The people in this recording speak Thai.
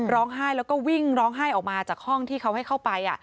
ร้องไห้แล้วก็วิ่งร้องไห้ออกมาจากห้องที่เขาให้เข้าไป